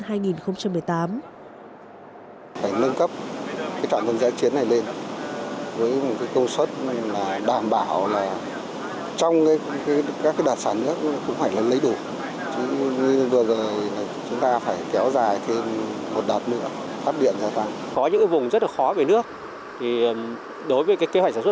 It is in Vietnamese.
phải nâng cấp trạm bơm gia chiến này lên với công suất đảm bảo là trong các đạt sản nước cũng phải lấy đủ